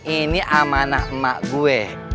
ini amanah emak gue